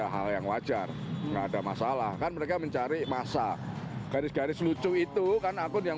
hal yang wajar enggak ada masalah kan mereka mencari masa garis garis lucu itu kan akun yang